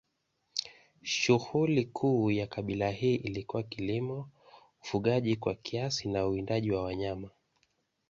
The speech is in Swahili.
Shughuli kuu ya kabila hili ilikuwa kilimo, ufugaji kwa kiasi na uwindaji wa wanyama.